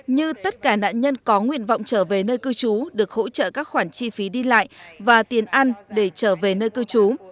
như tất cả nạn nhân có nguyện vọng trở về nơi cư trú được hỗ trợ các khoản chi phí đi lại và tiền ăn để trở về nơi cư trú